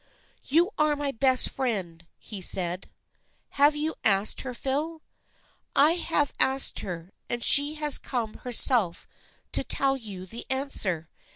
" You are my best friend," he said. " Have you asked her, Phil ?"" I have asked her, and she has come herself to tell you her answer.